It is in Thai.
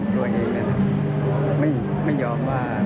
ใจเช่งมาก